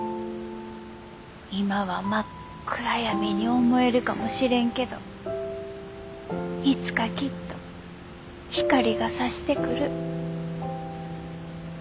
今は真っ暗闇に思えるかもしれんけどいつかきっと光がさしてくる。